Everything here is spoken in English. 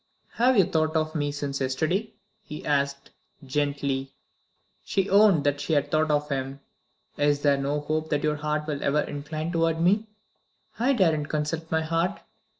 "Have you thought of me since yesterday?" he asked gently. She owned that she had thought of him. "Is there no hope that your heart will ever incline toward me?" "I daren't consult my heart.